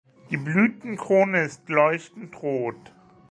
Die Blütenkrone ist leuchtend rot.